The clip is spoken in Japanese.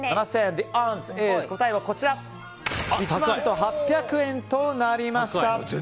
答えは１万と８００円となりました。